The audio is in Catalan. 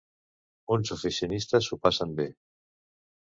Uns oficinistes s'ho passen bé.